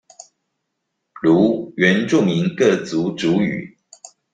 如原住民各族族語